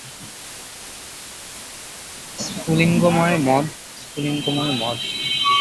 স্ফুলিঙ্গময় মদ, স্ফুলিঙ্গময় মদ।